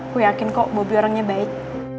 aku yakin kok bobi orangnya baik